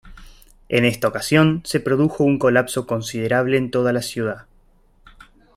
En esta ocasión, se produjo un colapso considerable en toda la ciudad.